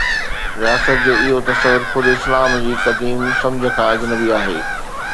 رياست جو اهو تصور خود اسلام جي قديم سمجھه کان اجنبي آهي.